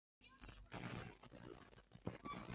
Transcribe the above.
他职业生涯里大多数时间是在南美洲度过。